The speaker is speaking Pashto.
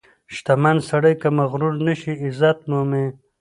• شتمن سړی که مغرور نشي، عزت مومي.